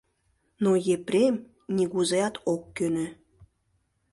Но Епрем нигузеат ок кӧнӧ.